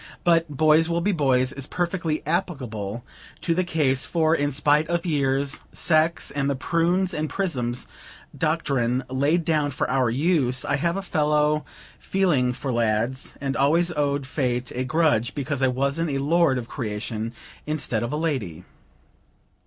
But "boys will be boys," is perfectly applicable to the case; for, in spite of years, sex, and the "prunes and prisms" doctrine laid down for our use, I have a fellow feeling for lads, and always owed Fate a grudge because I wasn't a lord of creation instead of a lady.